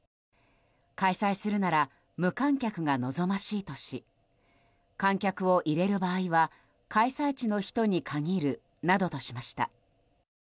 開催するなら無観客が望ましいとし観客を入れる場合は開催地の人に限るなどとしました。